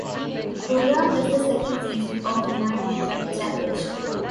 The program is the second season of "My Little Television".